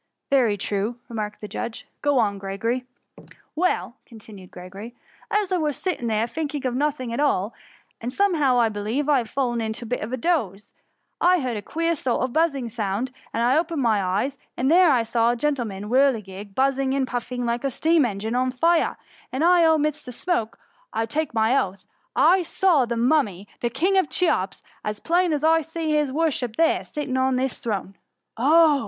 ^" Very true ! remarked the judge ;*' Go on, Gregory.'' " Well,'' continued Gregory, '' as I was sit* ting there, thinking of nothing at all, and some how, I believe, I had fallen into a bit of a doze, I heard a queer sort of a buzzing, and I opened my eyes, and there I saw the gentlemen's whir ligig buzzing and puffing like a steam engine €m fire, and f th' midst o' the smoke I '11 take my oath I saw the mummy of King Cheops as plain as I see his worship there sitting in his throne." Oh